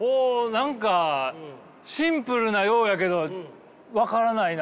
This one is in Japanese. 何かシンプルなようやけど分からないな。